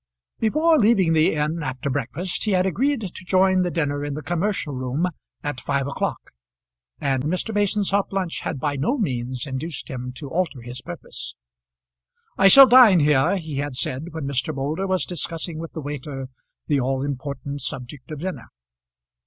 Before leaving the inn after breakfast he had agreed to join the dinner in the commercial room at five o'clock, and Mr. Mason's hot lunch had by no means induced him to alter his purpose. "I shall dine here," he had said when Mr. Moulder was discussing with the waiter the all important subject of dinner.